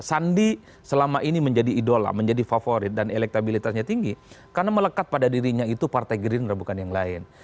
sandi selama ini menjadi idola menjadi favorit dan elektabilitasnya tinggi karena melekat pada dirinya itu partai gerindra bukan yang lain